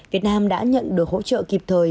việt nam đã nhận được hỗ trợ kịp thời